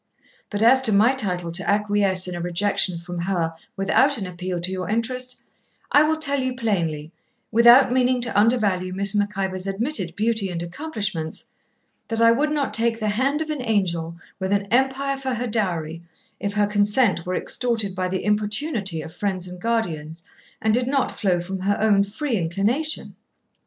But as to my title to acquiesce in a rejection from her without an appeal to your interest, I will tell you plainly, without meaning to undervalue Miss Mac Ivor's admitted beauty and accomplishments, that I would not take the hand of an angel, with an empire for her dowry, if her consent were extorted by the importunity of friends and guardians, and did not flow from her own free inclination.'